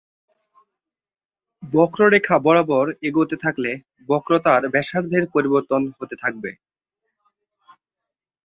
বক্ররেখা বরাবর এগোতে থাকলে বক্রতার ব্যাসার্ধের পরিবর্তন হতে থাকবে।